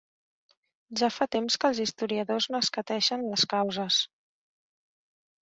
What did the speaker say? Ja fa temps que els historiadors n'escateixen les causes.